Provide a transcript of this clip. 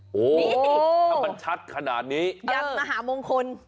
โอ้โหถ้ามันชัดขนาดนี้ยันมหามงคล